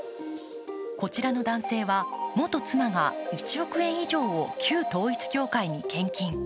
こちらの男性は元妻が１億円以上を旧統一教会に献金。